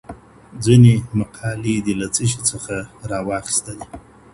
ځيني مقالې دې له څه شي څخه راواخيستلې؟